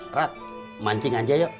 rat mancing aja yuk